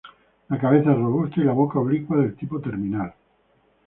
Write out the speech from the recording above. La cabeza es robusta y la boca oblicua de tipo terminal.